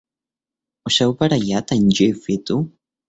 Us heu barallat en Jeeves i tu?